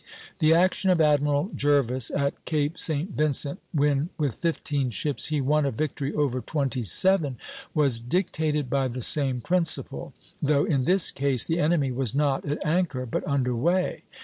The action of Admiral Jervis at Cape St. Vincent, when with fifteen ships he won a victory over twenty seven, was dictated by the same principle, though in this case the enemy was not at anchor, but under way.